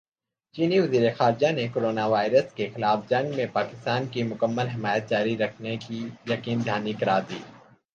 چینی وزیرخارجہ نے کورونا وائرس کےخلاف جنگ میں پاکستان کی مکمل حمایت جاری رکھنے کی یقین دہانی کرادی